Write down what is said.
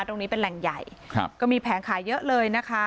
ตรงนี้เป็นแหล่งใหญ่ครับก็มีแผงขายเยอะเลยนะคะ